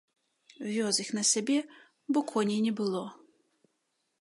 Вёз іх на сабе, бо коней не было.